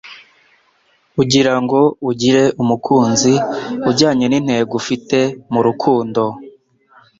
ugira ngo ugire umukunzi ujyanye n'intego ufite mu rukundo